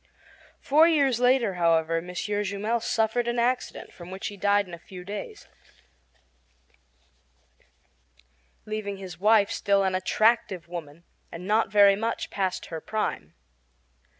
Four years later, however, M. Jumel suffered an accident from which he died in a few days, leaving his wife still an attractive woman and not very much past her prime.